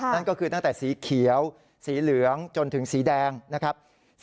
นั่นก็คือตั้งแต่สีเขียวสีเหลืองจนถึงสีแดงนะครับ